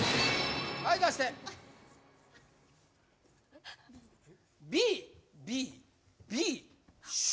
はい出してＢＢＢＣ！？